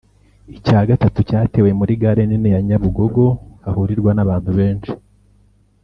icya gatatu cyatewe muri gare nini ya Nyabugogo hahurirwa n’abantu benshi